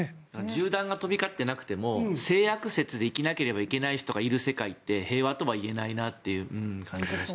銃弾が飛び交っていなくても性悪説で生きなくてはいけない人がいる世界って平和とは言えないなと感じます。